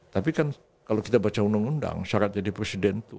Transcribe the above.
tapi kan kalau kita baca undang undang syarat jadi presiden itu